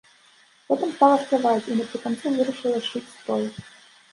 Потым стала спяваць, і напрыканцы вырашыла шыць строй.